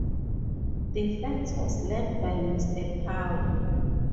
Defence was led by Mr Power.